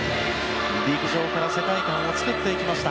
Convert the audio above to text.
陸上から世界観を作っていきました。